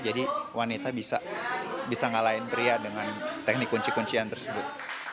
jadi wanita bisa ngalahin pria dengan teknik kunci kuncian tersebut